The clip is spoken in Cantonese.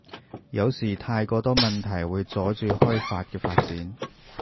有時太過多問題會阻住開法嘅發展